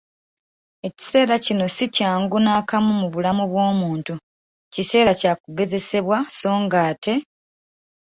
Ekiseera kino si kyangu nakamu mu bulamu bw'omuntu, kiseera kya kugezesebwa so ng'ate